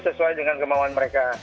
sesuai dengan kemauan mereka